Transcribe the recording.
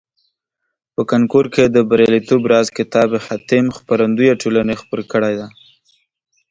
په کانکور کې د بریالیتوب راز کتاب حاتم خپرندویه ټولني خپور کړیده.